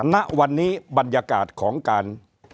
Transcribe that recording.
ณวันนี้บรรยากาศของการ